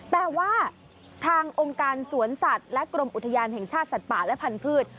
แต่ว่าทางองค์การสวนสัตว์และกรมอุทยานแห่งชาติสัตว์ป่าและพันธุ์